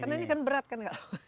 karena ini kan berat kan